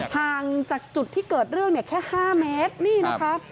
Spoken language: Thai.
ห่างจากจุดที่เกิดเรื่องเนี่ยแค่๕เมตรนี่นะคะ